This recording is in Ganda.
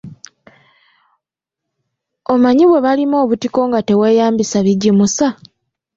Omanyi bwe balima obutiko nga teweeyambisa bigimusa?